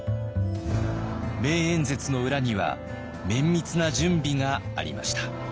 名演説の裏には綿密な準備がありました。